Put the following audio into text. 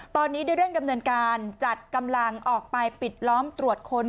ตอนนี้ได้เร่งดำเนินการจัดกำลังออกไปปิดล้อมตรวจค้น